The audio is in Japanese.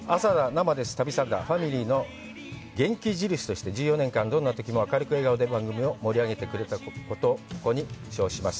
生です旅サラダ」のファミリーの元気印として１４年間、どんなときも明るく笑顔で番組を盛り上げてくれたことをここに称します。